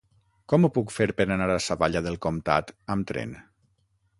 Com ho puc fer per anar a Savallà del Comtat amb tren?